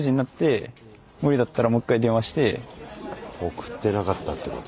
送ってなかったってこと？